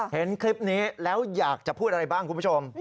เห็นคลิปนี้แล้วอยากจะพูดอะไรบ้างคุณผู้ชม